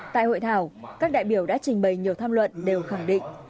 tại hội thảo các đại biểu đã trình bày nhiều tham luận đều khẳng định